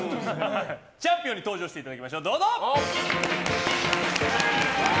チャンピオンに登場していただきましょうどうぞ！